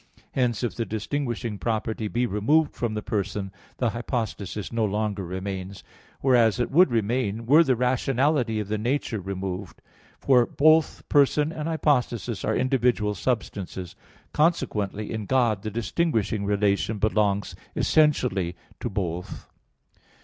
Hence, if the distinguishing property be removed from the person, the hypostasis no longer remains; whereas it would remain were the rationality of the nature removed; for both person and hypostasis are individual substances. Consequently, in God the distinguishing relation belongs essentially to both.